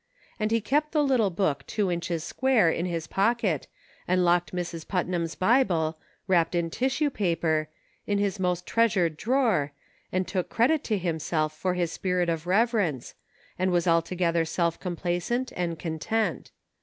And he kept the little book two inches square, in his pocket, and locked Miss Putnam's Bible, wrapped in tissue paper, in his most treasured drawer, and took credit to himself for his spirit of reverence, and was altogether self complacent and content.